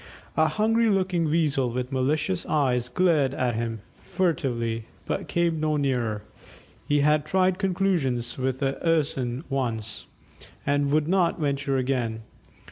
A hungry looking Weasel with malicious eyes glared at him furtively, but came no nearer; he had "tried conclusions" with an Urson once, and would not venture again.